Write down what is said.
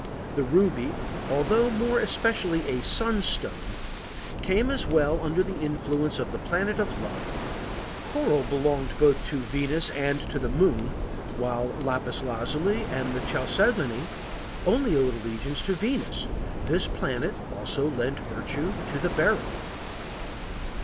The ruby, although more especially a sunstone, came as well under the influence of the Planet of Love. Coral belonged both to Venus and to the moon, while lapis lazuli and chalcedony only owed allegiance to Venus; this planet also lent virtue to the beryl.